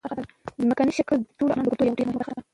ځمکنی شکل د ټولو افغانانو د ګټورتیا یوه ډېره مهمه برخه ده.